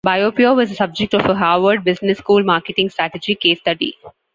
Biopure was the subject of a Harvard Business School marketing strategy case study.